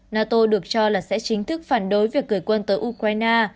nato được cho là sẽ chính thức phản đối việc cử quân tới ukraine